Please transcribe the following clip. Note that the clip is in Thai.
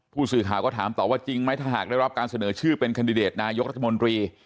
ผู้สื่อข่าวก็ถามต่อว่าจริงไหมถ้าหากได้รับการเสนอชื่อเป็นแคนดิเดตนายกรัฐมนตรี